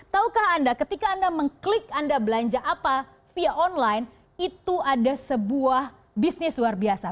taukah anda ketika anda mengklik anda belanja apa via online itu ada sebuah bisnis luar biasa